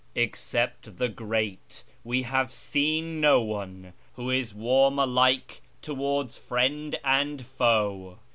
" Excejjt the grate, we have seen no one Who is wurni alike towards friend and foe."